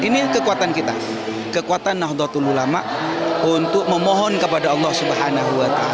ini kekuatan kita kekuatan nahdlatul ulama untuk memohon kepada allah swt